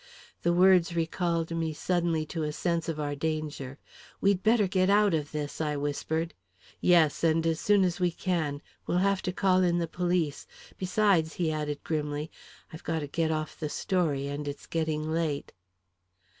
The words recalled me suddenly to a sense of our danger. "We'd better get out of this," I whispered. "Yes and as soon as we can. We'll have to call in the police. Besides," he added grimly, "I've got to get off the story and it's getting late."